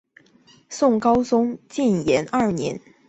宋高宗建炎二年林安宅中进士。